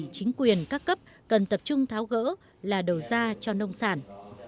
cấp ủy chính quyền các cấp cần tập trung tháo gỡ là đầu ra cho nông sản